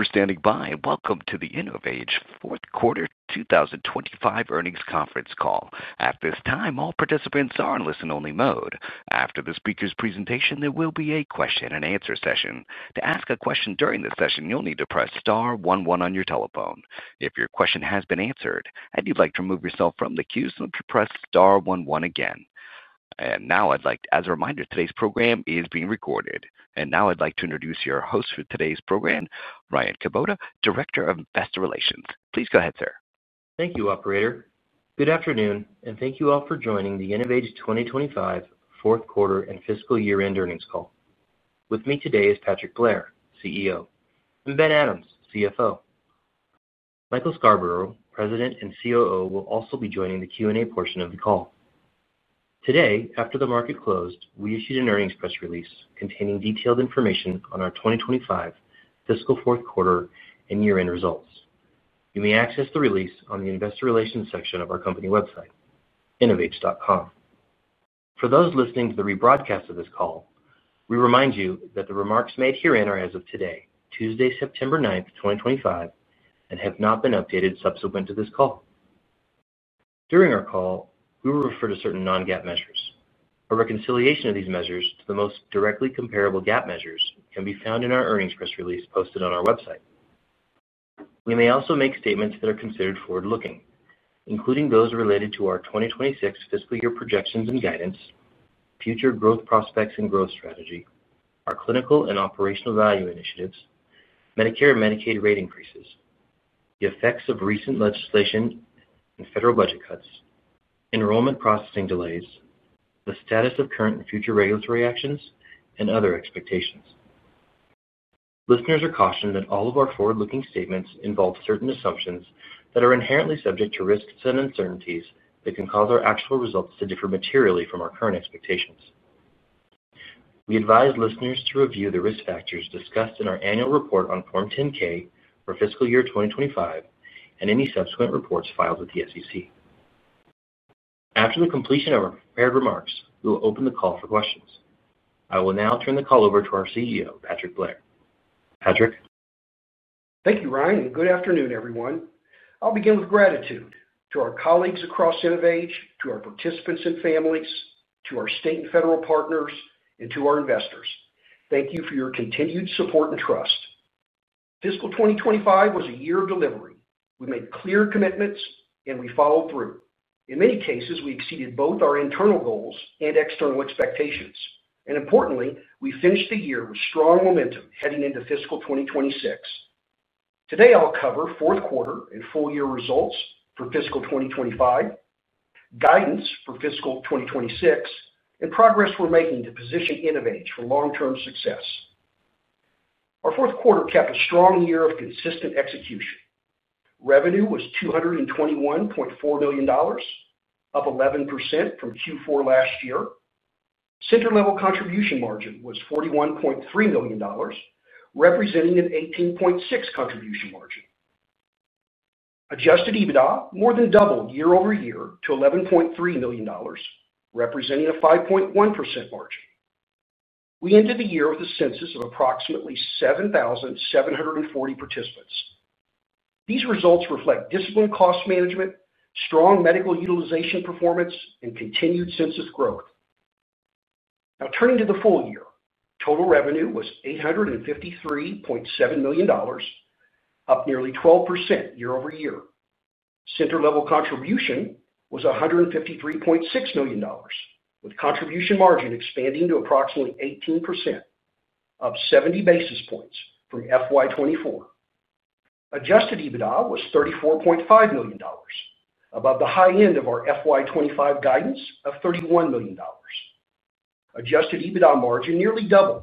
Thank you for standing by and welcome to the InnovAge Quarter 2025 Earnings Conference Call. At this time, all participants are in listen-only mode. After the speaker's presentation, there will be a question and answer session. To ask a question during this session, you'll need to press star one one on your telephone. If your question has been answered and you'd like to remove yourself from the queue, simply press star one one again. As a reminder, today's program is being recorded. Now I'd like to introduce your host for today's program, Ryan Kubota, Director of Investor Relations. Please go ahead, sir. Thank you, operator. Good afternoon, and thank you all for joining the InnovAge 2025 Fourth Quarter and Fiscal Year-end Earnings Call. With me today is Patrick Blair, CEO, and Ben Adams, CFO. Michael Scarborough, President and COO, will also be joining the Q&A portion of the call. Today, after the market closed, we issued an earnings press release containing detailed information on our 2025 Fiscal Fourth Quarter and Year-end results. You may access the release on the Investor Relations section of our company website, innovage.com. For those listening to the rebroadcast of this call, we remind you that the remarks made herein are as of today, Tuesday, September 9, 2025, and have not been updated subsequent to this call. During our call, we will refer to certain non-GAAP measures. A reconciliation of these measures to the most directly comparable GAAP measures can be found in our earnings press release posted on our website. We may also make statements that are considered forward-looking, including those related to our 2026 fiscal year projections and guidance, future growth prospects and growth strategy, our clinical and operational value initiatives, Medicare and Medicaid rate increases, the effects of recent legislation and federal budget cuts, enrollment processing delays, the status of current and future regulatory actions, and other expectations. Listeners are cautioned that all of our forward-looking statements involve certain assumptions that are inherently subject to risks and uncertainties that can cause our actual results to differ materially from our current expectations. We advise listeners to review the risk factors discussed in our annual report on Form 10-K for fiscal year 2025 and any subsequent reports filed with the SEC. After the completion of our prepared remarks, we will open the call for questions. I will now turn the call over to our CEO, Patrick Blair. Patrick? Thank you, Ryan, and good afternoon, everyone. I'll begin with gratitude to our colleagues across InnovAge, to our participants and families, to our state and federal partners, and to our investors. Thank you for your continued support and trust. Fiscal 2025 was a year of delivery. We made clear commitments, and we followed through. In many cases, we exceeded both our internal goals and external expectations. Importantly, we finished the year with strong momentum heading into fiscal 2026. Today, I'll cover fourth quarter and full-year results for fiscal 2025, guidance for fiscal 2026, and progress we're making to position InnovAge for long-term success. Our fourth quarter kept a strong year of consistent execution. Revenue was $221.4 million, up 11% from Q4 last year. Center-level contribution margin was $41.3 million, representing an 18.6% contribution margin. Adjusted EBITDA more than doubled year over year to $11.3 million, representing a 5.1% margin. We ended the year with a census of approximately 7,740 participants. These results reflect disciplined cost management, strong medical utilization performance, and continued census growth. Now, turning to the full year, total revenue was $853.7 million, up nearly 12% year over year. Center-level contribution was $153.6 million, with contribution margin expanding to approximately 18%, up 70 basis points from FY24. Adjusted EBITDA was $34.5 million, above the high end of our FY25 guidance of $31 million. Adjusted EBITDA margin nearly doubled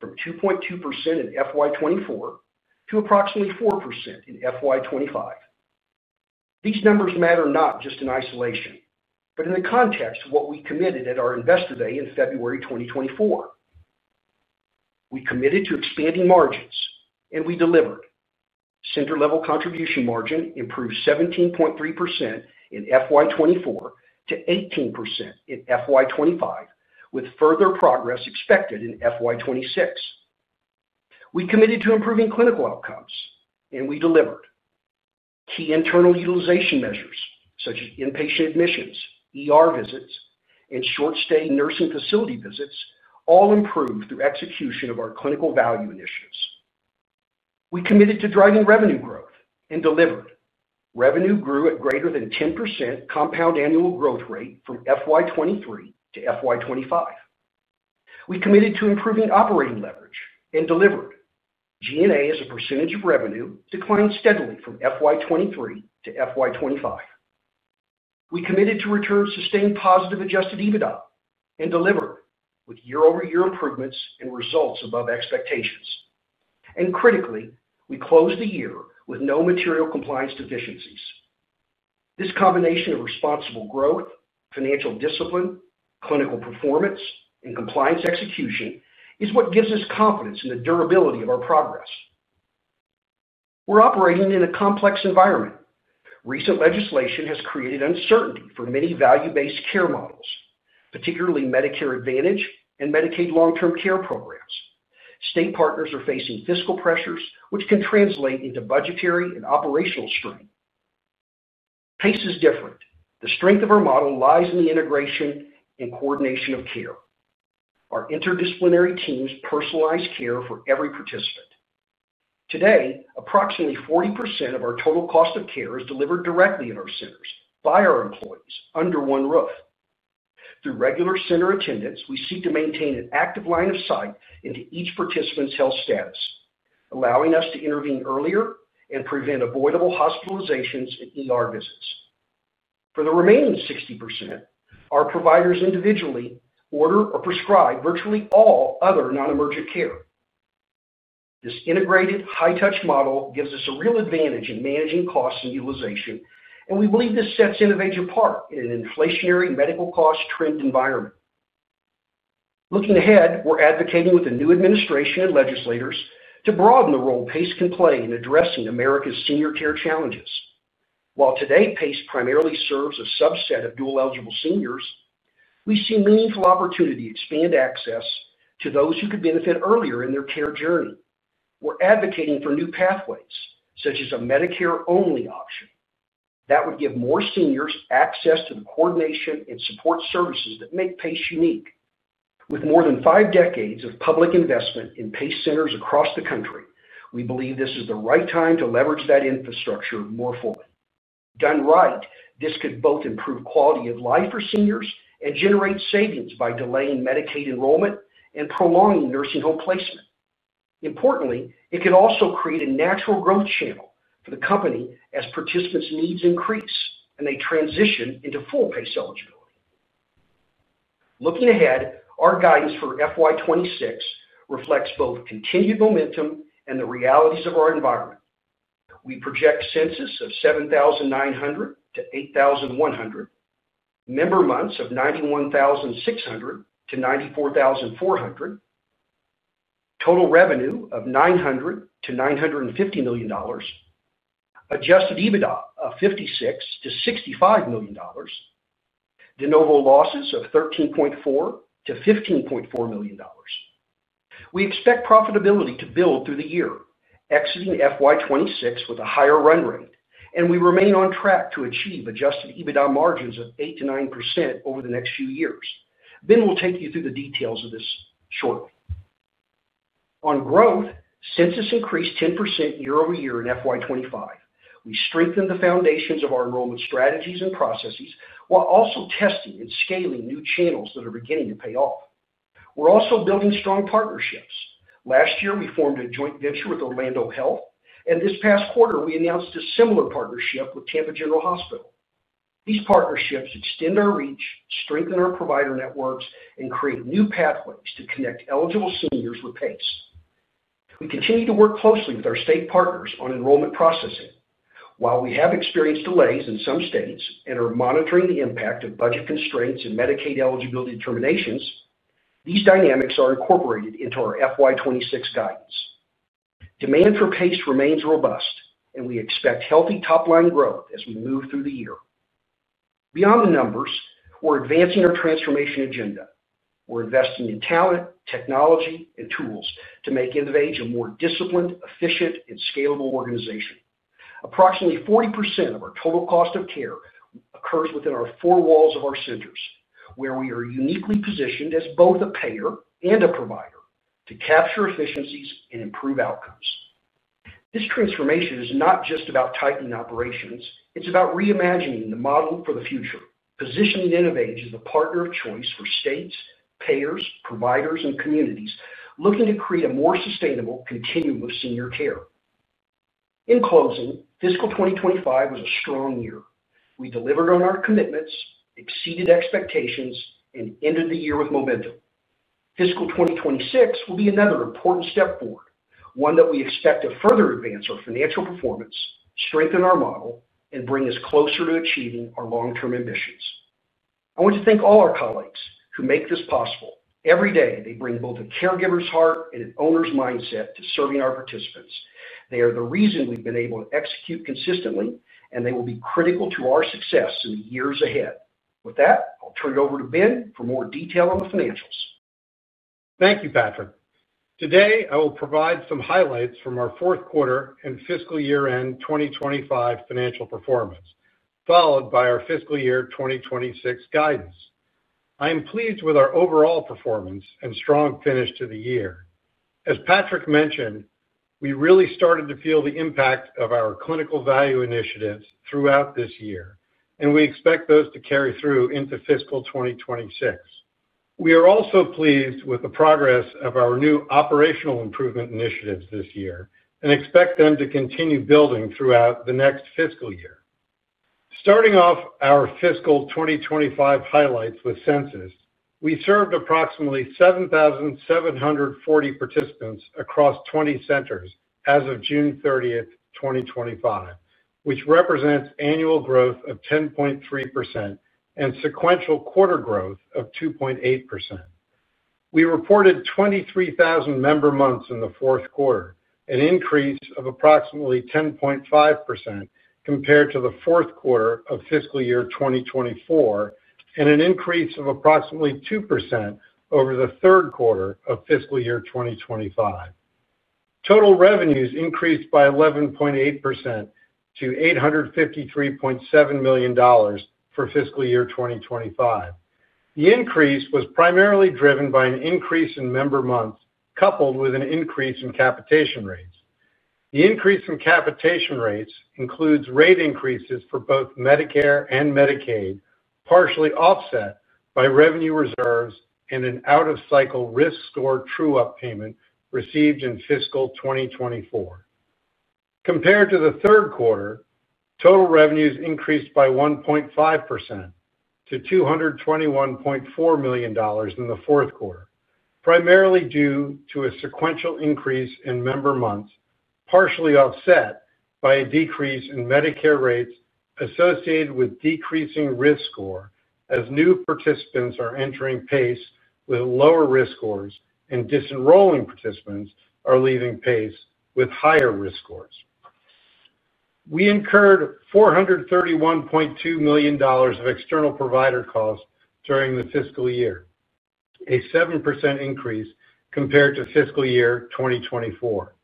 from 2.2% in FY24 to approximately 4% in FY25. These numbers matter not just in isolation, but in the context of what we committed at our Investor Day in February 2024. We committed to expanding margins, and we delivered. Center-level contribution margin improved from 17.3% in FY24 to 18% in FY25, with further progress expected in FY26. We committed to improving clinical outcomes, and we delivered. Key internal utilization measures, such as inpatient admissions, visits, and short-stay nursing facility visits, all improved through execution of our clinical value initiatives. We committed to driving revenue growth and delivered. Revenue grew at greater than 10% compound annual growth rate from FY23 to FY25. We committed to improving operating leverage and delivered. G&A, as a percentage of revenue, declined steadily from FY23 to FY25. We committed to returning sustained positive adjusted EBITDA and delivered with year-over-year improvements and results above expectations. Critically, we closed the year with no material compliance deficiencies. This combination of responsible growth, financial discipline, clinical performance, and compliance execution is what gives us confidence in the durability of our progress. We're operating in a complex environment. Recent legislation has created uncertainty for many value-based care models, particularly Medicare Advantage and Medicaid long-term care programs. State partners are facing fiscal pressures, which can translate into budgetary and operational strain. PACE is different. The strength of our model lies in the integration and coordination of care. Our interdisciplinary teams personalize care for every participant. Today, approximately 40% of our total cost of care is delivered directly at our centers by our employees under one roof. Through regular center attendance, we seek to maintain an active line of sight into each participant's health status, allowing us to intervene earlier and prevent avoidable hospitalizations and visits. For the remaining 60%, our providers individually order or prescribe virtually all other non-emergent care. This integrated high-touch model gives us a real advantage in managing costs and utilization, and we believe this sets InnovAge apart in an inflationary medical cost trend environment. Looking ahead, we're advocating with the new administration and legislators to broaden the role PACE can play in addressing America's senior care challenges. While today PACE primarily serves a subset of dual-eligible seniors, we see meaningful opportunities to expand access to those who could benefit earlier in their care journey. We're advocating for new pathways, such as a Medicare-only option that would give more seniors access to the coordination and support services that make PACE unique. With more than five decades of public investment in PACE centers across the country, we believe this is the right time to leverage that infrastructure more fully. Done right, this could both improve quality of life for seniors and generate savings by delaying Medicaid enrollment and prolonging nursing home placement. Importantly, it can also create a natural growth channel for the company as participants' needs increase and they transition into full PACE eligibility. Looking ahead, our guidance for FY2026 reflects both continued momentum and the realities of our environment. We project census of 7,900 to 8,100, member months of 91,600 to 94,400, total revenue of $900 million to $950 million, adjusted EBITDA of $56 million to $65 million, de novo losses of $13.4 million to $15.4 million. We expect profitability to build through the year, exiting FY2026 with a higher run rate, and we remain on track to achieve adjusted EBITDA margins of 8% to 9% over the next few years. Ben, we'll take you through the details of this shortly. On growth, census increased 10% year over year in FY2025. We strengthened the foundations of our enrollment strategies and processes while also testing and scaling new channels that are beginning to pay off. We're also building strong partnerships. Last year, we formed a joint venture with Orlando Health, and this past quarter, we announced a similar partnership with Tampa General Hospital. These partnerships extend our reach, strengthen our provider networks, and create new pathways to connect eligible seniors with PACE. We continue to work closely with our state partners on enrollment processing. While we have experienced delays in some states and are monitoring the impact of budget constraints and Medicaid eligibility determinations, these dynamics are incorporated into our FY2026 guidance. Demand for PACE remains robust, and we expect healthy top-line growth as we move through the year. Beyond the numbers, we're advancing our transformation agenda. We're investing in talent, technology, and tools to make InnovAge a more disciplined, efficient, and scalable organization. Approximately 40% of our total cost of care occurs within our four walls of our centers, where we are uniquely positioned as both a payer and a provider to capture efficiencies and improve outcomes. This transformation is not just about tightening operations; it's about reimagining the model for the future, positioning InnovAge as the partner of choice for states, payers, providers, and communities looking to create a more sustainable continuum of senior care. In closing, fiscal 2025 was a strong year. We delivered on our commitments, exceeded expectations, and ended the year with momentum. Fiscal 2026 will be another important step forward, one that we expect to further advance our financial performance, strengthen our model, and bring us closer to achieving our long-term ambitions. I want to thank all our colleagues who make this possible. Every day, they bring both a caregiver's heart and an owner's mindset to serving our participants. They are the reason we've been able to execute consistently, and they will be critical to our success in the years ahead. With that, I'll turn it over to Ben for more detail on the financials. Thank you, Patrick. Today, I will provide some highlights from our fourth quarter and fiscal year-end 2025 financial performance, followed by our fiscal year 2026 guidance. I am pleased with our overall performance and strong finish to the year. As Patrick mentioned, we really started to feel the impact of our clinical value initiatives throughout this year, and we expect those to carry through into fiscal 2026. We are also pleased with the progress of our new operational improvement initiatives this year and expect them to continue building throughout the next fiscal year. Starting off our fiscal 2025 highlights with census, we served approximately 7,740 participants across 20 centers as of June 30, 2025, which represents annual growth of 10.3% and sequential quarter growth of 2.8%. We reported 23,000 member months in the fourth quarter, an increase of approximately 10.5% compared to the fourth quarter of fiscal year 2024, and an increase of approximately 2% over the third quarter of fiscal year 2025. Total revenues increased by 11.8% to $853.7 million for fiscal year 2025. The increase was primarily driven by an increase in member months, coupled with an increase in capitation rates. The increase in capitation rates includes rate increases for both Medicare and Medicaid, partially offset by revenue reserves and an out-of-cycle risk score true-up payment received in fiscal 2024. Compared to the third quarter, total revenues increased by 1.5% to $221.4 million in the fourth quarter, primarily due to a sequential increase in member months, partially offset by a decrease in Medicare rates associated with decreasing risk score as new participants are entering PACE with lower risk scores, and disenrolling participants are leaving PACE with higher risk scores. We incurred $431.2 million of external provider costs during the fiscal year, a 7% increase compared to fiscal year 2024.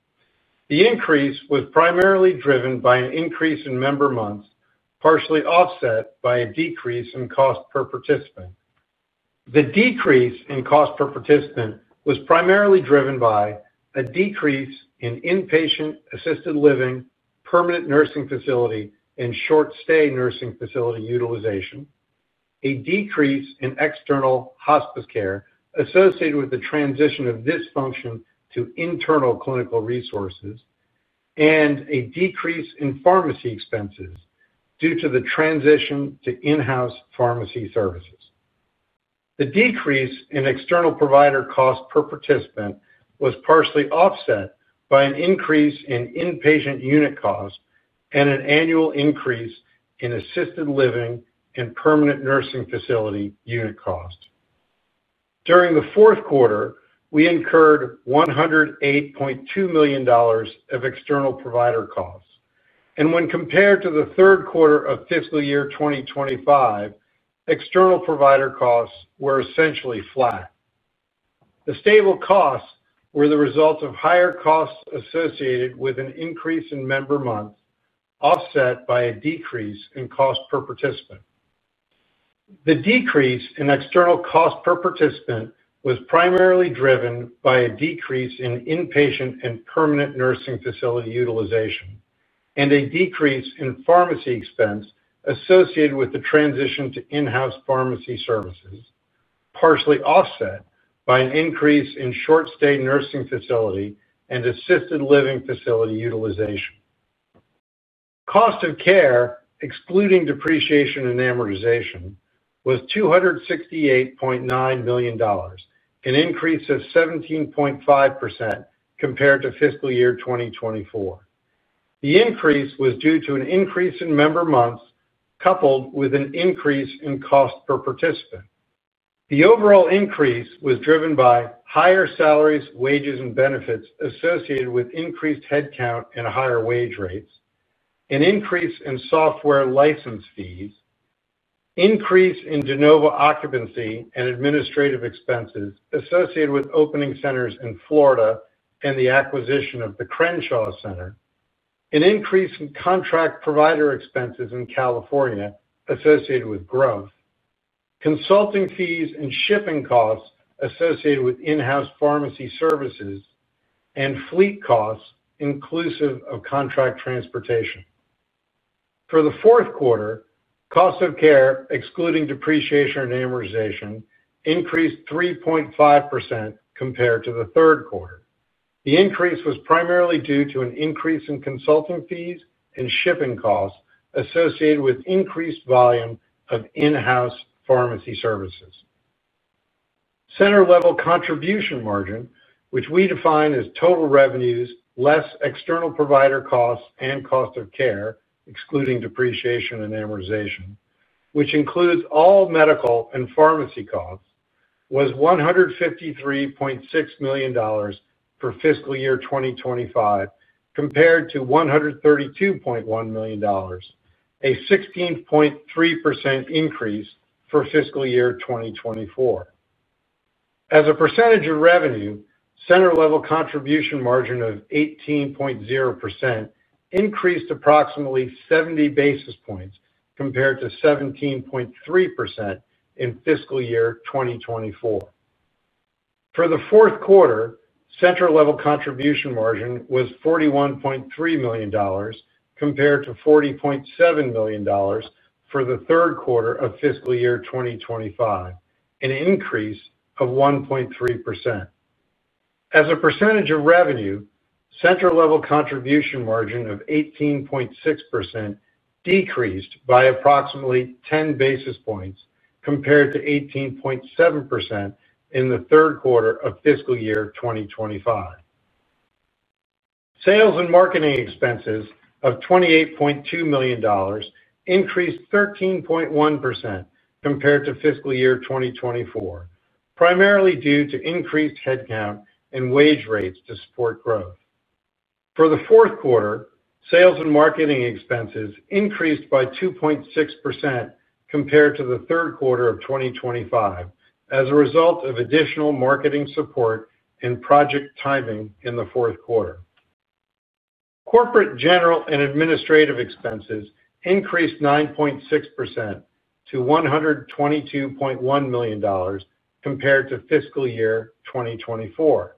The increase was primarily driven by an increase in member months, partially offset by a decrease in cost per participant. The decrease in cost per participant was primarily driven by a decrease in inpatient assisted living, permanent nursing facility, and short-stay nursing facility utilization, a decrease in external hospice care associated with the transition of this function to internal clinical resources, and a decrease in pharmacy expenses due to the transition to in-house pharmacy services. The decrease in external provider cost per participant was partially offset by an increase in inpatient unit costs and an annual increase in assisted living and permanent nursing facility unit costs. During the fourth quarter, we incurred $108.2 million of external provider costs. When compared to the third quarter of fiscal year 2025, external provider costs were essentially flat. The stable costs were the result of higher costs associated with an increase in member months, offset by a decrease in cost per participant. The decrease in external cost per participant was primarily driven by a decrease in inpatient and permanent nursing facility utilization and a decrease in pharmacy expense associated with the transition to in-house pharmacy services, partially offset by an increase in short-stay nursing facility and assisted living facility utilization. Cost of care, excluding depreciation and amortization, was $268.9 million, an increase of 17.5% compared to fiscal year 2024. The increase was due to an increase in member months, coupled with an increase in cost per participant. The overall increase was driven by higher salaries, wages, and benefits associated with increased headcount and higher wage rates, an increase in software license fees, an increase in de novo occupancy and administrative expenses associated with opening centers in Florida and the acquisition of the Crenshaw Center, an increase in contract provider expenses in California associated with growth, consulting fees and shipping costs associated with in-house pharmacy services, and fleet costs, inclusive of contract transportation. For the fourth quarter, cost of care, excluding depreciation and amortization, increased 3.5% compared to the third quarter. The increase was primarily due to an increase in consulting fees and shipping costs associated with increased volume of in-house pharmacy services. Center-level contribution margin, which we define as total revenues less external provider costs and cost of care, excluding depreciation and amortization, which includes all medical and pharmacy costs, was $153.6 million for fiscal year 2025 compared to $132.1 million, a 16.3% increase for fiscal year 2024. As a percentage of revenue, center-level contribution margin of 18.0% increased approximately 70 basis points compared to 17.3% in fiscal year 2024. For the fourth quarter, center-level contribution margin was $41.3 million compared to $40.7 million for the third quarter of fiscal year 2025, an increase of 1.3%. As a percentage of revenue, center-level contribution margin of 18.6% decreased by approximately 10 basis points compared to 18.7% in the third quarter of fiscal year 2025. Sales and marketing expenses of $28.2 million increased 13.1% compared to fiscal year 2024, primarily due to increased headcount and wage rates to support growth. For the fourth quarter, sales and marketing expenses increased by 2.6% compared to the third quarter of 2025 as a result of additional marketing support and project timing in the fourth quarter. Corporate general and administrative expenses increased 9.6% to $122.1 million compared to fiscal year 2024.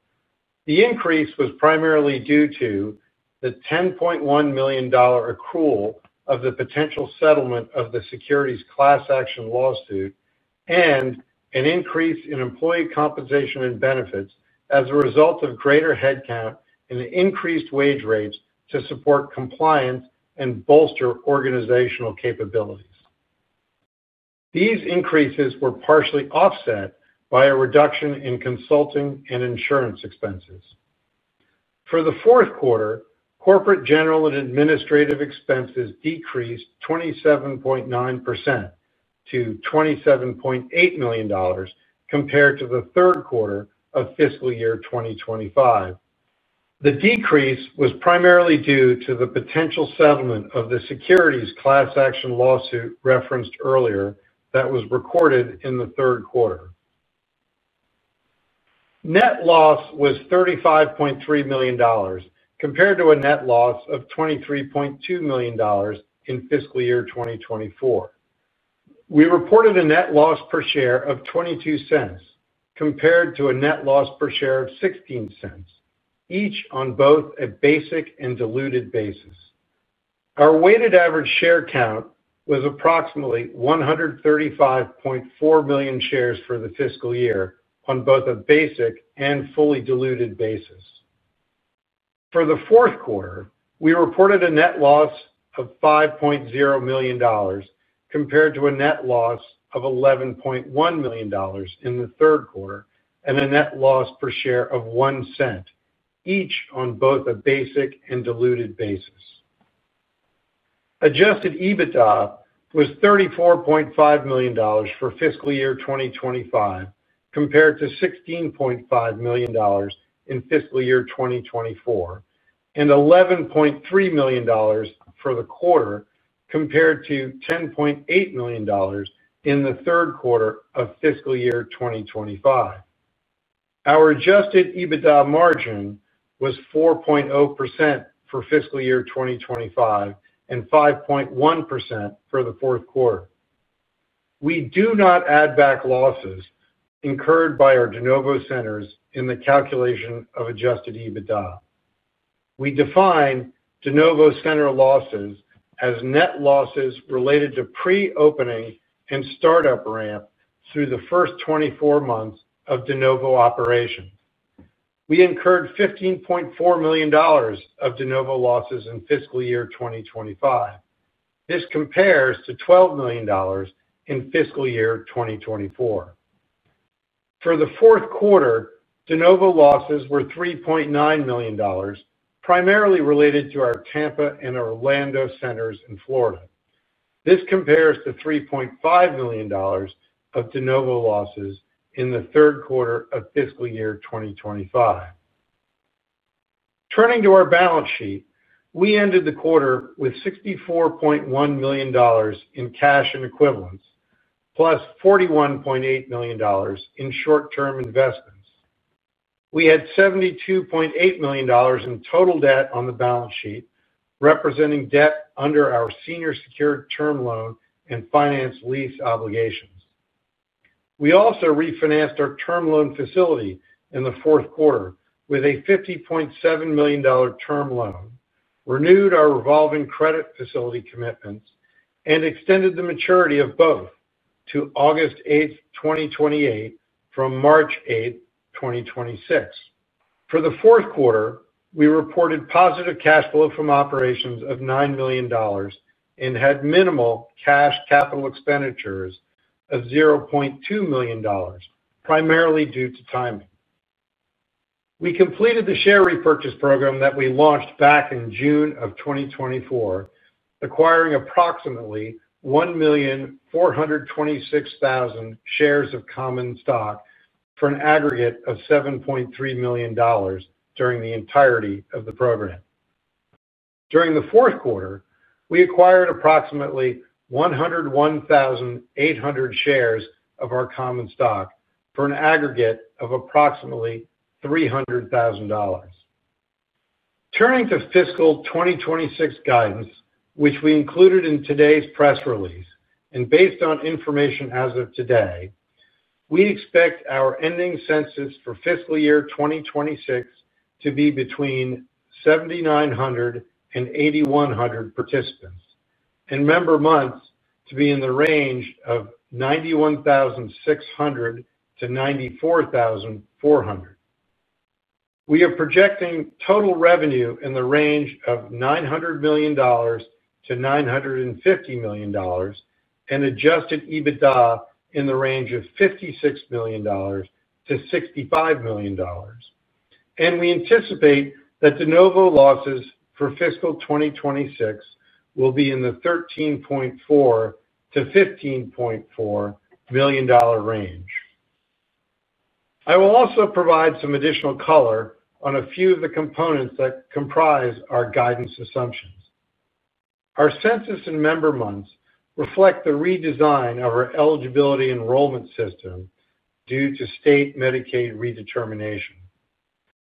The increase was primarily due to the $10.1 million accrual of the potential settlement of the securities class action lawsuit and an increase in employee compensation and benefits as a result of greater headcount and increased wage rates to support compliance and bolster organizational capabilities. These increases were partially offset by a reduction in consulting and insurance expenses. For the fourth quarter, corporate general and administrative expenses decreased 27.9% to $27.8 million compared to the third quarter of fiscal year 2025. The decrease was primarily due to the potential settlement of the securities class action lawsuit referenced earlier that was recorded in the third quarter. Net loss was $35.3 million compared to a net loss of $23.2 million in fiscal year 2024. We reported a net loss per share of $0.22 compared to a net loss per share of $0.16, each on both a basic and diluted basis. Our weighted average share count was approximately 135.4 million shares for the fiscal year on both a basic and fully diluted basis. For the fourth quarter, we reported a net loss of $5.0 million compared to a net loss of $11.1 million in the third quarter and a net loss per share of $0.01, each on both a basic and diluted basis. Adjusted EBITDA was $34.5 million for fiscal year 2025 compared to $16.5 million in fiscal year 2024 and $11.3 million for the quarter compared to $10.8 million in the third quarter of fiscal year 2025. Our adjusted EBITDA margin was 4.0% for fiscal year 2025 and 5.1% for the fourth quarter. We do not add back losses incurred by our de novo centers in the calculation of adjusted EBITDA. We define de novo center losses as net losses related to pre-opening and startup ramp through the first 24 months of de novo operation. We incurred $15.4 million of de novo losses in fiscal year 2025. This compares to $12 million in fiscal year 2024. For the fourth quarter, de novo losses were $3.9 million, primarily related to our Tampa and Orlando centers in Florida. This compares to $3.5 million of de novo losses in the third quarter of fiscal year 2025. Turning to our balance sheet, we ended the quarter with $64.1 million in cash and equivalents, plus $41.8 million in short-term investments. We had $72.8 million in total debt on the balance sheet, representing debt under our senior secured term loan and finance lease obligations. We also refinanced our term loan facility in the fourth quarter with a $50.7 million term loan, renewed our revolving credit facility commitments, and extended the maturity of both to August 8, 2028 from March 8, 2026. For the fourth quarter, we reported positive cash flow from operations of $9 million and had minimal cash capital expenditures of $0.2 million, primarily due to timing. We completed the share repurchase program that we launched back in June of 2024, acquiring approximately 1,426,000 shares of common stock for an aggregate of $7.3 million during the entirety of the program. During the fourth quarter, we acquired approximately 101,800 shares of our common stock for an aggregate of approximately $300,000. Turning to fiscal 2026 guidance, which we included in today's press release and based on information as of today, we expect our ending census for fiscal year 2026 to be between 7,900 and 8,100 participants and member months to be in the range of 91,600 to 94,400. We are projecting total revenue in the range of $900 million to $950 million and adjusted EBITDA in the range of $56 million to $65 million. We anticipate that de novo losses for fiscal 2026 will be in the $13.4 to $15.4 million range. I will also provide some additional color on a few of the components that comprise our guidance assumptions. Our census and member months reflect the redesign of our eligibility enrollment system due to state Medicaid redetermination.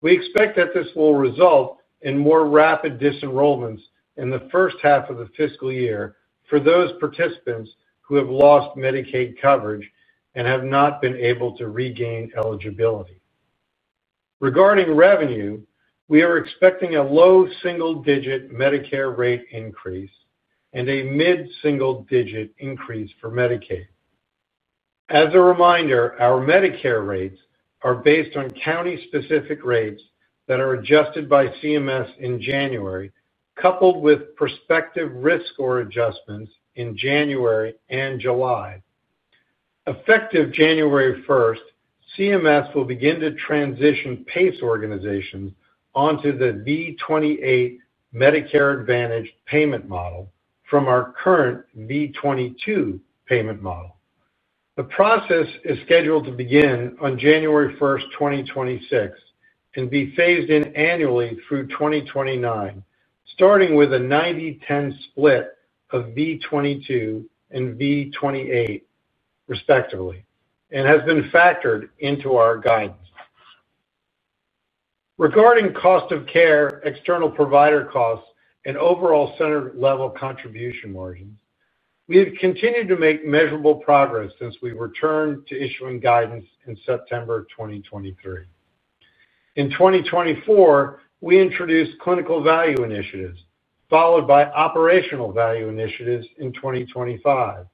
We expect that this will result in more rapid disenrollments in the first half of the fiscal year for those participants who have lost Medicaid coverage and have not been able to regain eligibility. Regarding revenue, we are expecting a low single-digit Medicare rate increase and a mid-single-digit increase for Medicaid. As a reminder, our Medicare rates are based on county-specific rates that are adjusted by CMS in January, coupled with prospective risk score adjustments in January and July. Effective January 1, CMS will begin to transition PACE organizations onto the V-28 Medicare Advantage payment model from our current V-22 payment model. The process is scheduled to begin on January 1, 2026, and be phased in annually through 2029, starting with a 90/10 split of V-22 and V-28, respectively, and has been factored into our guidance. Regarding cost of care, external provider costs, and overall center-level contribution margins, we have continued to make measurable progress since we returned to issuing guidance in September 2023. In 2024, we introduced clinical value initiatives, followed by operational value initiatives in 2025.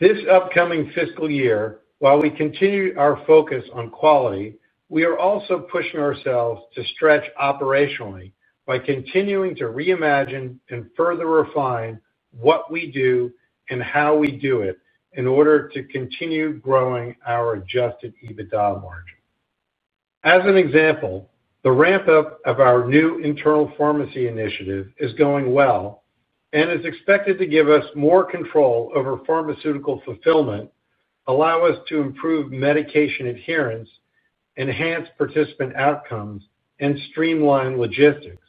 This upcoming fiscal year, while we continue our focus on quality, we are also pushing ourselves to stretch operationally by continuing to reimagine and further refine what we do and how we do it in order to continue growing our adjusted EBITDA margin. As an example, the ramp-up of our new internal pharmacy integration initiative is going well and is expected to give us more control over pharmaceutical fulfillment, allow us to improve medication adherence, enhance participant outcomes, and streamline logistics.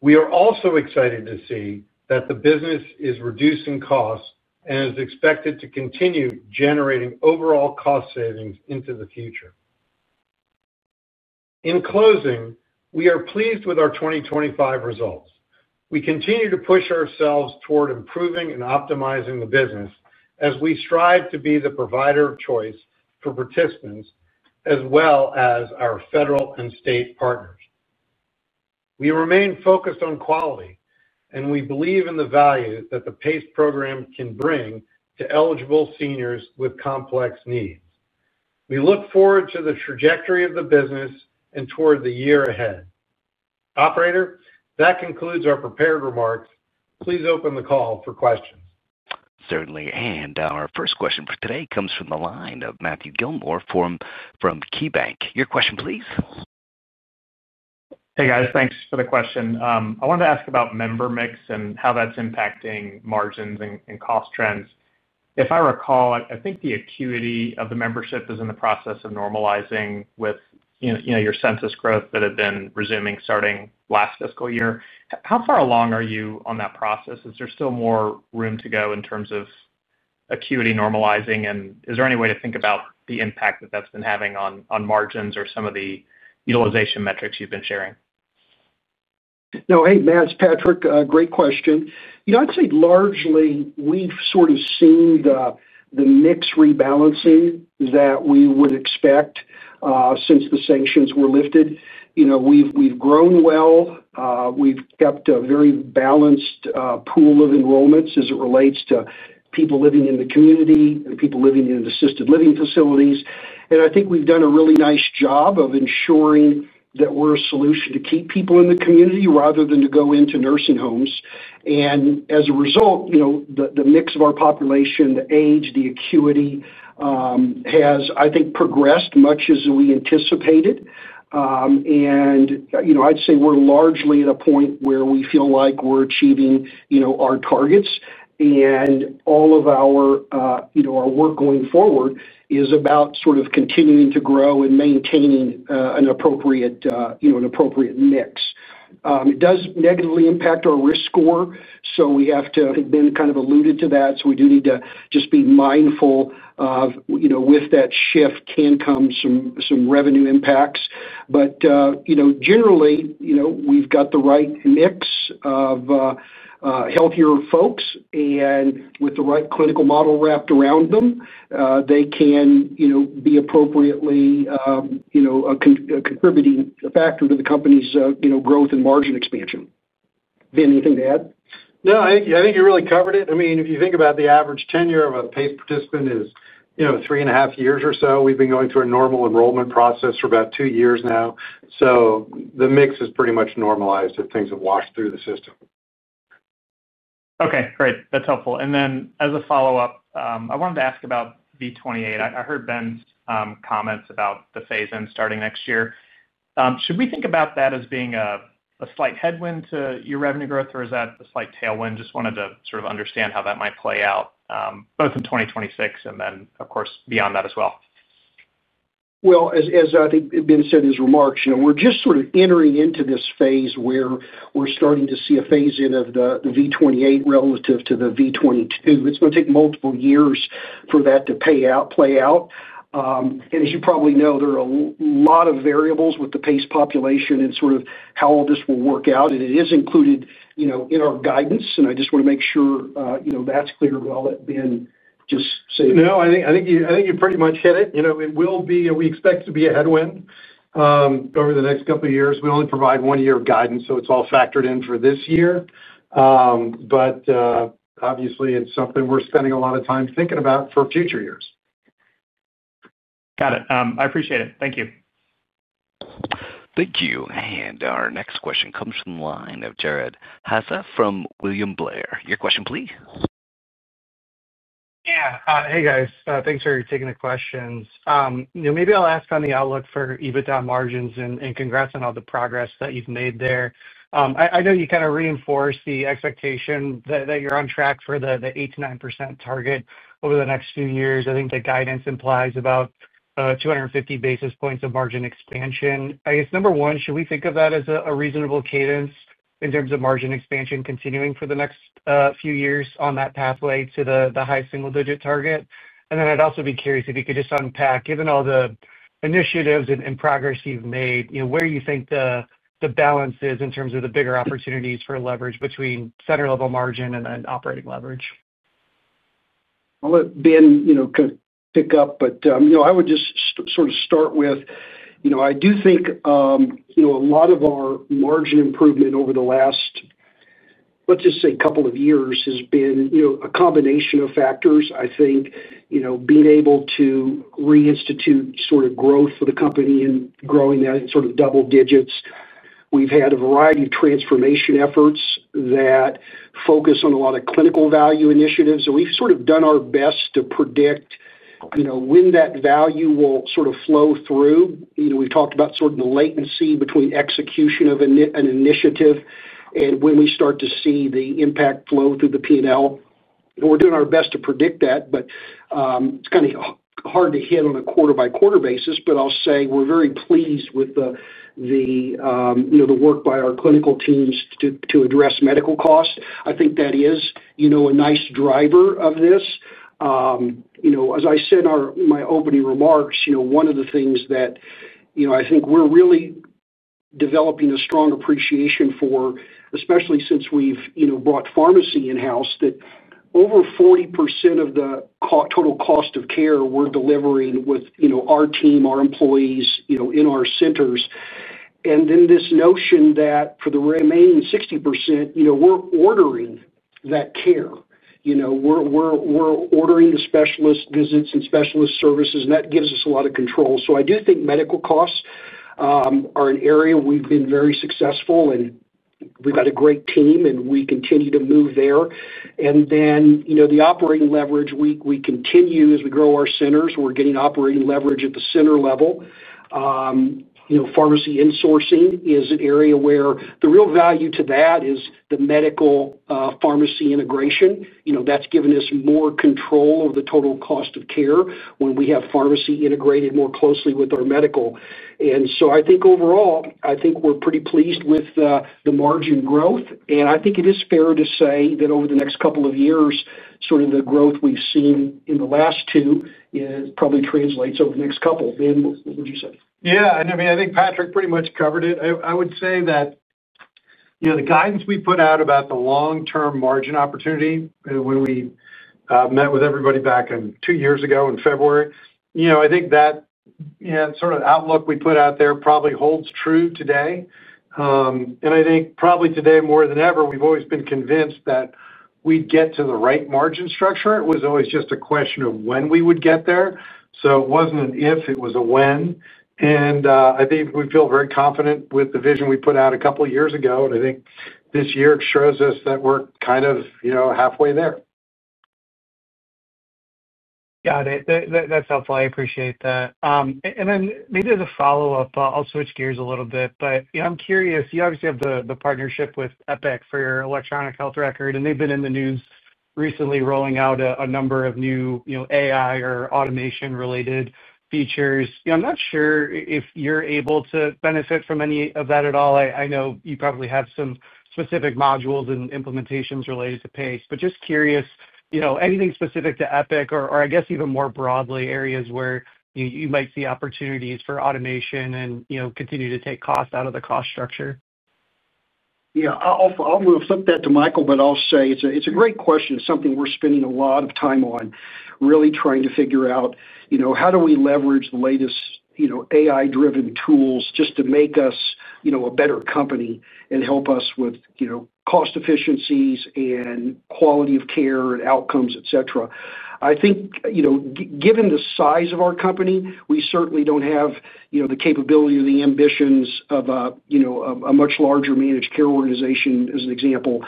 We are also excited to see that the business is reducing costs and is expected to continue generating overall cost savings into the future. In closing, we are pleased with our 2025 results. We continue to push ourselves toward improving and optimizing the business as we strive to be the provider of choice for participants as well as our federal and state partners. We remain focused on quality, and we believe in the value that the PACE program can bring to eligible seniors with complex needs. We look forward to the trajectory of the business and toward the year ahead. Operator, that concludes our prepared remarks. Please open the call for questions. Certainly. Our first question for today comes from the line of Matthew Gilmore from KeyBanc Capital Markets. Your question, please. Hey, guys, thanks for the question. I wanted to ask about member mix and how that's impacting margins and cost trends. If I recall, I think the acuity of the membership is in the process of normalizing with your census growth that had been resuming starting last fiscal year. How far along are you on that process? Is there still more room to go in terms of acuity normalizing? Is there any way to think about the impact that that's been having on margins or some of the utilization metrics you've been sharing? No, hey, Mads, Patrick, great question. I'd say largely we've sort of seen the mix rebalancing that we would expect since the sanctions were lifted. We've grown well. We've kept a very balanced pool of enrollments as it relates to people living in the community and people living in assisted living facilities. I think we've done a really nice job of ensuring that we're a solution to keep people in the community rather than to go into nursing homes. As a result, the mix of our population, the age, the acuity has, I think, progressed much as we anticipated. I'd say we're largely at a point where we feel like we're achieving our targets. All of our work going forward is about sort of continuing to grow and maintaining an appropriate mix. It does negatively impact our risk score. We have to, have been kind of alluded to that. We do need to just be mindful of, with that shift can come some revenue impacts. Generally, we've got the right mix of healthier folks. With the right clinical model wrapped around them, they can be appropriately a contributing factor to the company's growth and margin expansion. Anything to add? No, I think you really covered it. I mean, if you think about the average tenure of a PACE participant is, you know, three and a half years or so. We've been going through a normal enrollment process for about two years now, so the mix is pretty much normalized if things have washed through the system. Okay, great. That's helpful. As a follow-up, I wanted to ask about V-28. I heard Ben's comments about the phase-in starting next year. Should we think about that as being a slight headwind to your revenue growth, or is that a slight tailwind? I just wanted to sort of understand how that might play out both in 2026 and, of course, beyond that as well. As I think Ben Adams said in his remarks, you know, we're just sort of entering into this phase where we're starting to see a phase-in of the V-28 Medicare Advantage payment model relative to the V-22. It's going to take multiple years for that to pay out, play out. As you probably know, there are a lot of variables with the PACE population and sort of how all this will work out. It is included, you know, in our guidance. I just want to make sure, you know, that's cleared well that Ben Adams just said. No, I think you pretty much hit it. It will be, we expect to be a headwind over the next couple of years. We only provide one year of guidance, so it's all factored in for this year. Obviously, it's something we're spending a lot of time thinking about for future years. Got it. I appreciate it. Thank you. Thank you. Our next question comes from the line of Jared Haase from William Blair. Your question, please. Yeah. Hey, guys, thanks for taking the questions. Maybe I'll ask on the outlook for EBITDA margins, and congrats on all the progress that you've made there. I know you kind of reinforced the expectation that you're on track for the 8% to 9% target over the next few years. I think the guidance implies about 250 basis points of margin expansion. I guess, number one, should we think of that as a reasonable cadence in terms of margin expansion continuing for the next few years on that pathway to the high single-digit target? I'd also be curious if you could just unpack, given all the initiatives and progress you've made, where do you think the balance is in terms of the bigger opportunities for leverage between center-level margin and then operating leverage? Ben, you know, could pick up, but I would just sort of start with, I do think a lot of our margin improvement over the last, let's just say, couple of years has been a combination of factors. I think being able to reinstitute sort of growth for the company and growing that sort of double digits. We've had a variety of transformation efforts that focus on a lot of clinical value initiatives. We've sort of done our best to predict when that value will sort of flow through. We talked about the latency between execution of an initiative and when we start to see the impact flow through the P&L. We're doing our best to predict that, but it's kind of hard to hit on a quarter-by-quarter basis. I'll say we're very pleased with the work by our clinical teams to address medical costs. I think that is a nice driver of this. As I said in my opening remarks, one of the things that I think we're really developing a strong appreciation for, especially since we've bought pharmacy in-house, is that over 40% of the total cost of care we're delivering with our team, our employees, in our centers. This notion that for the remaining 60%, we're ordering that care. We're ordering the specialist visits and specialist services, and that gives us a lot of control. I do think medical costs are an area we've been very successful in. We've got a great team, and we continue to move there. The operating leverage we continue as we grow our centers. We're getting operating leverage at the center level. Pharmacy insourcing is an area where the real value to that is the medical pharmacy integration. That's given us more control over the total cost of care when we have pharmacy integrated more closely with our medical. I think overall, I think we're pretty pleased with the margin growth. I think it is fair to say that over the next couple of years, the growth we've seen in the last two probably translates over the next couple. Ben, what would you say? Yeah, I think Patrick pretty much covered it. I would say that the guidance we put out about the long-term margin opportunity when we met with everybody back two years ago in February, that sort of outlook we put out there probably holds true today. I think probably today more than ever, we've always been convinced that we'd get to the right margin structure. It was always just a question of when we would get there. It wasn't an if, it was a when. I think we feel very confident with the vision we put out a couple of years ago. I think this year shows us that we're kind of halfway there. Got it. That's helpful. I appreciate that. Maybe as a follow-up, I'll switch gears a little bit, but you know, I'm curious, you obviously have the partnership with Epic for your electronic health record, and they've been in the news recently rolling out a number of new, you know, AI or automation-related features. I'm not sure if you're able to benefit from any of that at all. I know you probably have some specific modules and implementations related to PACE, but just curious, anything specific to Epic or I guess even more broadly areas where you might see opportunities for automation and, you know, continue to take cost out of the cost structure? Yeah, I'll flip that to Michael, but I'll say it's a great question. It's something we're spending a lot of time on, really trying to figure out how do we leverage the latest AI-driven tools just to make us a better company and help us with cost efficiencies and quality of care and outcomes, etc. I think, given the size of our company, we certainly don't have the capability or the ambitions of a much larger managed care organization as an example.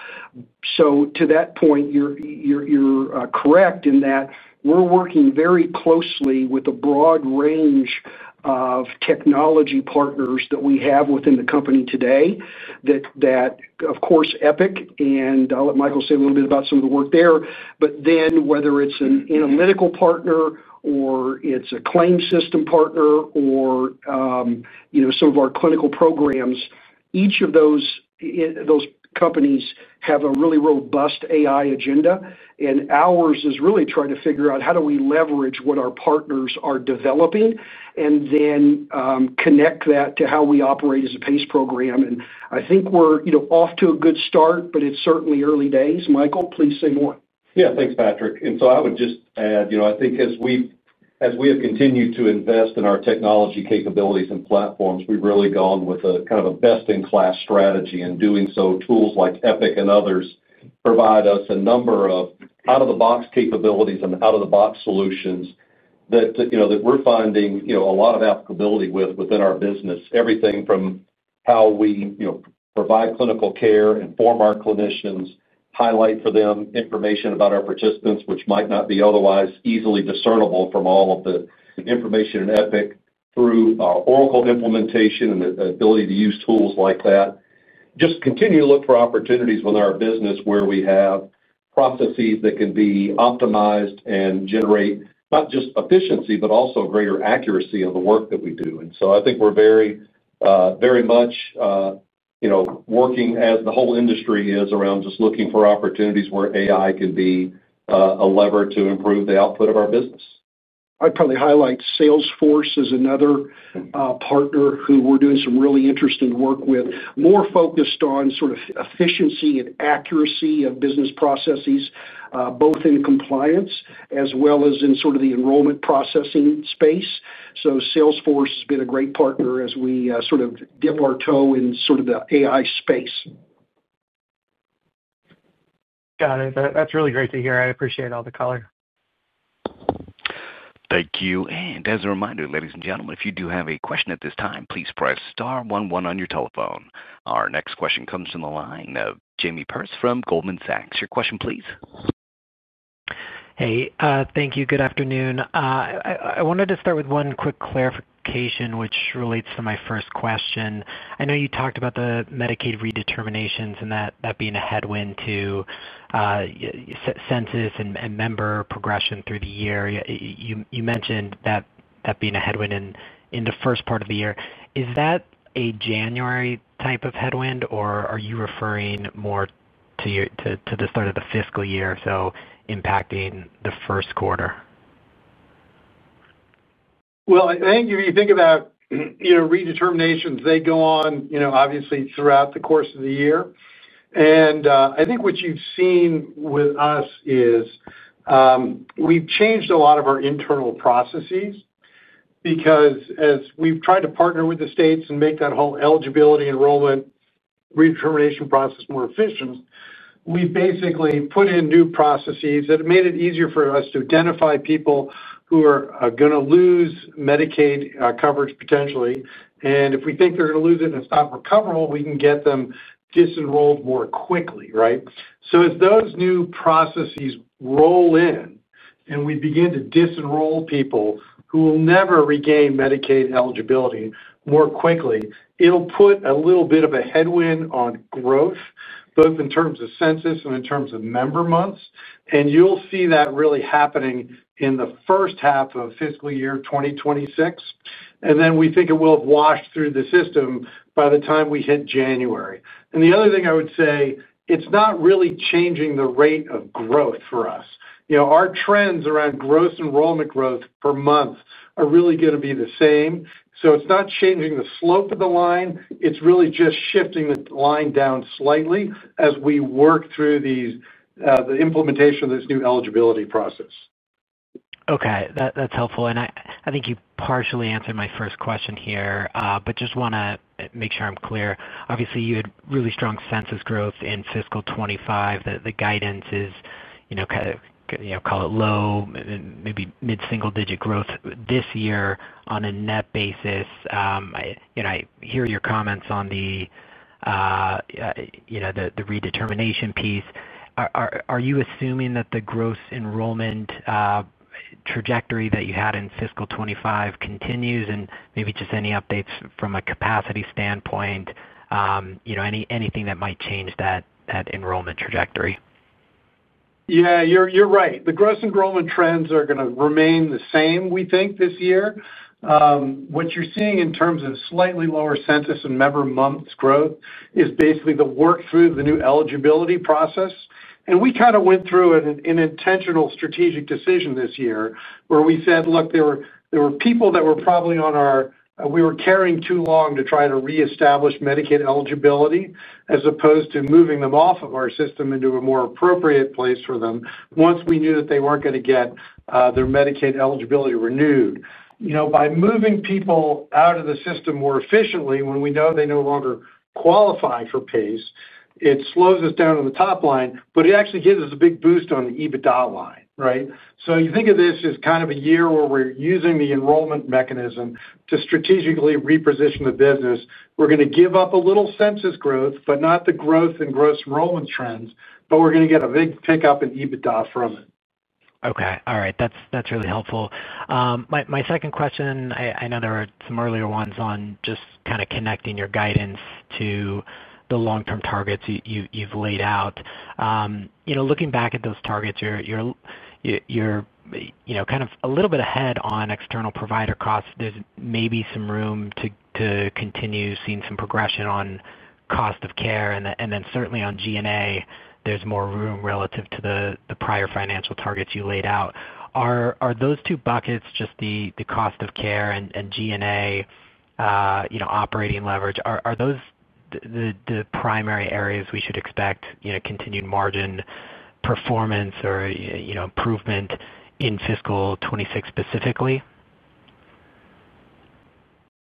To that point, you're correct in that we're working very closely with a broad range of technology partners that we have within the company today that, of course, Epic, and I'll let Michael say a little bit about some of the work there. Whether it's an analytical partner or it's a claim system partner or some of our clinical programs, each of those companies have a really robust AI agenda. Ours is really trying to figure out how do we leverage what our partners are developing and then connect that to how we operate as a PACE program. I think we're off to a good start, but it's certainly early days. Michael, please say more. Yeah, thanks, Patrick. I would just add, I think as we've continued to invest in our technology capabilities and platforms, we've really gone with a kind of best-in-class strategy. In doing so, tools like Epic and others provide us a number of out-of-the-box capabilities and out-of-the-box solutions that we're finding a lot of applicability with within our business. Everything from how we provide clinical care, inform our clinicians, highlight for them information about our participants, which might not be otherwise easily discernible from all of the information in Epic through our Oracle implementation and the ability to use tools like that. We just continue to look for opportunities within our business where we have processes that can be optimized and generate not just efficiency, but also greater accuracy of the work that we do. I think we're very, very much working as the whole industry is around just looking for opportunities where AI can be a lever to improve the output of our business. I'd probably highlight Salesforce as another partner who we're doing some really interesting work with, more focused on sort of efficiency and accuracy of business processes, both in compliance as well as in sort of the enrollment processing space. Salesforce has been a great partner as we sort of dip our toe in sort of the AI space. Got it. That's really great to hear. I appreciate all the color. Thank you. As a reminder, ladies and gentlemen, if you do have a question at this time, please press star one one on your telephone. Our next question comes from the line of Jamie Perse from Goldman Sachs. Your question, please. Hey, thank you. Good afternoon. I wanted to start with one quick clarification, which relates to my first question. I know you talked about the Medicaid redetermination and that being a headwind to census and member progression through the year. You mentioned that being a headwind in the first part of the year. Is that a January type of headwind, or are you referring more to the start of the fiscal year, impacting the first quarter? If you think about redeterminations, they go on obviously throughout the course of the year. I think what you've seen with us is we've changed a lot of our internal processes because as we've tried to partner with the states and make that whole eligibility enrollment redetermination process more efficient, we've basically put in new processes that have made it easier for us to identify people who are going to lose Medicaid coverage potentially. If we think they're going to lose it and it's not recoverable, we can get them disenrolled more quickly, right? As those new processes roll in and we begin to disenroll people who will never regain Medicaid eligibility more quickly, it'll put a little bit of a headwind on growth, both in terms of census and in terms of member months. You'll see that really happening in the first half of fiscal year 2026. We think it will have washed through the system by the time we hit January. The other thing I would say, it's not really changing the rate of growth for us. Our trends around gross enrollment growth per month are really going to be the same. It's not changing the slope of the line. It's really just shifting the line down slightly as we work through the implementation of this new eligibility process. Okay, that's helpful. I think you partially answered my first question here, but just want to make sure I'm clear. Obviously, you had really strong census growth in fiscal 2025. The guidance is, you know, call it low, maybe mid-single-digit growth this year on a net basis. I hear your comments on the, you know, the redetermination piece. Are you assuming that the gross enrollment trajectory that you had in fiscal 2025 continues? Maybe just any updates from a capacity standpoint, you know, anything that might change that enrollment trajectory? Yeah, you're right. The gross enrollment trends are going to remain the same, we think, this year. What you're seeing in terms of slightly lower census and member months growth is basically the work through the new eligibility process. We kind of went through an intentional strategic decision this year where we said, look, there were people that were probably on our, we were carrying too long to try to reestablish Medicaid eligibility as opposed to moving them off of our system into a more appropriate place for them once we knew that they weren't going to get their Medicaid eligibility renewed. By moving people out of the system more efficiently when we know they no longer qualify for PACE, it slows us down on the top line, but it actually gives us a big boost on the EBITDA line, right? You think of this as kind of a year where we're using the enrollment mechanism to strategically reposition the business. We're going to give up a little census growth, not the growth in gross enrollment trends, but we're going to get a big pickup in EBITDA from it. Okay, all right, that's really helpful. My second question, I know there were some earlier ones on just kind of connecting your guidance to the long-term targets you've laid out. Looking back at those targets, you're kind of a little bit ahead on external provider costs. There's maybe some room to continue seeing some progression on cost of care. Certainly on G&A, there's more room relative to the prior financial targets you laid out. Are those two buckets, just the cost of care and G&A, operating leverage, are those the primary areas we should expect continued margin performance or improvement in fiscal 2026 specifically?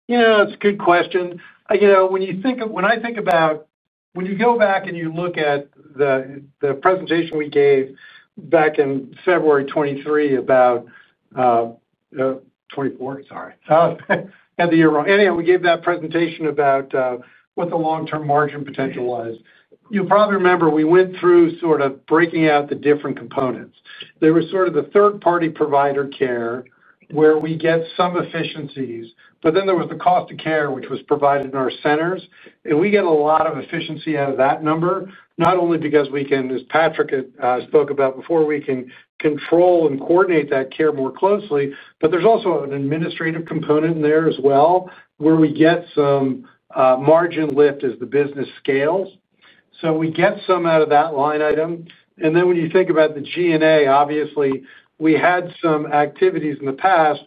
Yeah, that's a good question. When you think about, when you go back and you look at the presentation we gave back in February 2024 about what the long-term margin potential was, you'll probably remember we went through sort of breaking out the different components. There was sort of the third-party provider care where we get some efficiencies, but then there was the cost of care, which was provided in our centers. We get a lot of efficiency out of that number, not only because we can, as Patrick spoke about before, we can control and coordinate that care more closely, but there's also an administrative component in there as well where we get some margin lift as the business scales. We get some out of that line item. When you think about the G&A, obviously, we had some activities in the past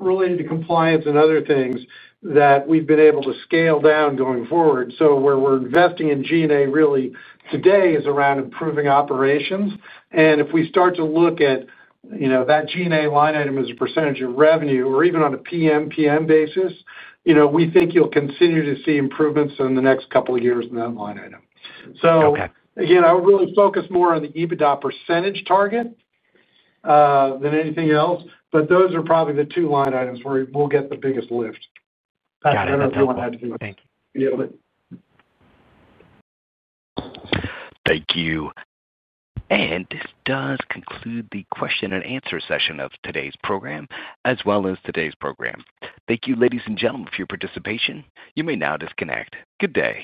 related to compliance and other things that we've been able to scale down going forward. Where we're investing in G&A really today is around improving operations. If we start to look at that G&A line item as a percentage of revenue or even on a PM/PM basis, we think you'll continue to see improvements in the next couple of years in that line item. I'll really focus more on the EBITDA percentage target than anything else, but those are probably the two line items where we'll get the biggest lift. Got it. I don't know if you want to add anything. Thank you. This does conclude the question and answer session of today's program, as well as today's program. Thank you, ladies and gentlemen, for your participation. You may now disconnect. Good day.